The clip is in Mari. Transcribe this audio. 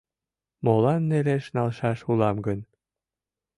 — Молан нелеш налшаш улам гын?